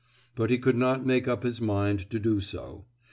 But he could not make up his mind to do so.